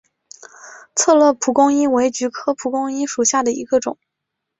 策勒蒲公英为菊科蒲公英属下的一个种。